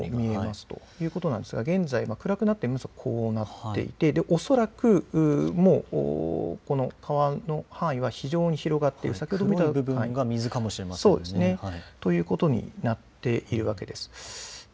そうなんですが現在は暗くなってこうなっていておそらく、もう川の範囲が非常に広がっている先ほど見た部分が水かもしれませんということになっているわけです。